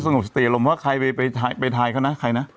งบสติอารมณ์ว่าใครไปทายเขานะใครนะ